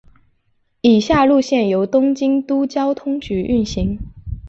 以下路线由东京都交通局运行。